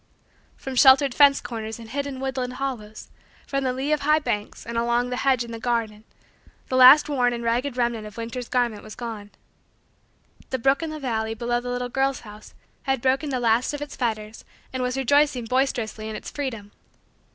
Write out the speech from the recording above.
From sheltered fence corners and hidden woodland hollows, from the lee of high banks, and along the hedge in the garden, the last worn and ragged remnant of winter's garment was gone. The brook in the valley, below the little girl's house, had broken the last of its fetters and was rejoicing boisterously in its freedom.